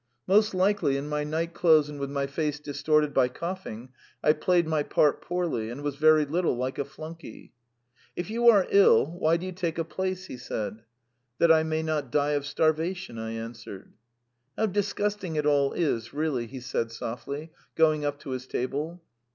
Most likely, in my night clothes and with my face distorted by coughing, I played my part poorly, and was very little like a flunkey. "If you are ill, why do you take a place?" he said. "That I may not die of starvation," I answered. "How disgusting it all is, really!" he said softly, going up to his table.